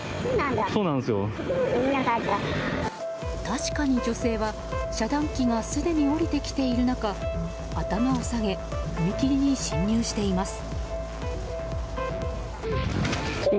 確かに女性は遮断機がすでに下りてきている中頭を下げ、踏切に進入しています。